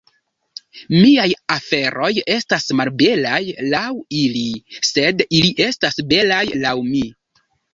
"Miaj aferoj estas malbelaj laŭ ili, sed ili estas belaj laŭ mi."